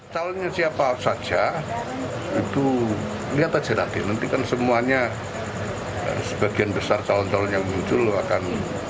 calonnya siapa saja itu lihat aja nanti kan semuanya sebagian besar calon calon yang muncul akan